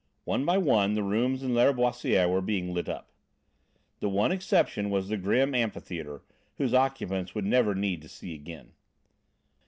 One by one the rooms in Lâriboisière were being lit up. The one exception was the grim amphitheatre, whose occupants would never need to see again.